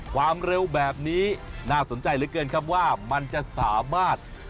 ความเร็วแบบนี้น่าสนใจเหลือเกินครับว่ามันจะสามารถ